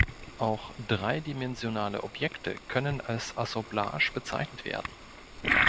Auch dreidimensionale Objekte können als Assemblage bezeichnet werden.